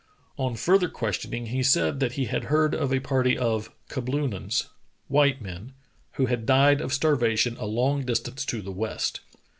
On further questioning he said that he had heard of a party of kahloonans (white men), who had died of starvation a long distance to the west.